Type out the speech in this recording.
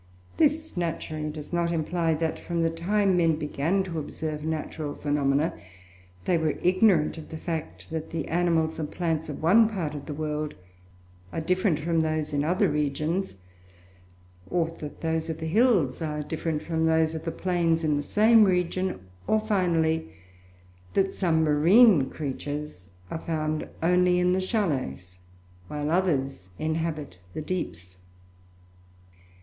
This naturally does not imply that, from the time men began to observe natural phenomena, they were ignorant of the fact that the animals and plants of one part of the world are different from those in other regions; or that those of the hills are different from those of the plains in the same region; or finally that some marine creatures are found only in the shallows, while others inhabit the deeps.